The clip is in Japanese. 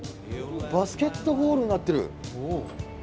バスケットゴールになってる！